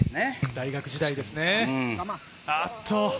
大学時代ですね。